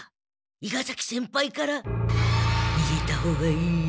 伊賀崎先輩からにげたほうがいいよ。